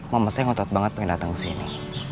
mama saya ngotot banget pengen datang kesini